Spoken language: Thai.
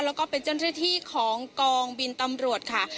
แล้วก็เป็นเจ้าหน้าที่ของกองบินตำรวจค่ะ